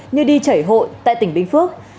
như đi chảy hội tại tỉnh bình phước